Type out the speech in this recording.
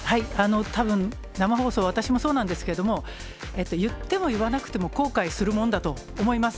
たぶん、生放送、私もそうなんですけれども、言っても言わなくても後悔するものだと思います。